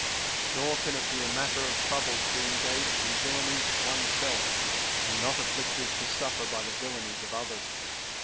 Nor can it be a mat ter of trouble to be engaged in villanies one's self, and not afflictive to suffer by the villanies of others.